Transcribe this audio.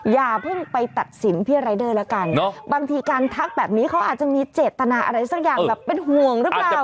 อย่าเพิ่งไปตัดสินพี่รายเดอร์แล้วกันบางทีการทักแบบนี้เขาอาจจะมีเจตนาอะไรสักอย่างแบบเป็นห่วงหรือเปล่า